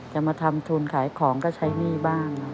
จะมาทำทุนขายของก็ใช้หนี้บ้าง